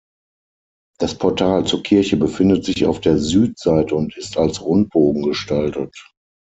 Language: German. Das Portal zur Kirche befindet sich auf der Südseite und ist als Rundbogen gestaltet.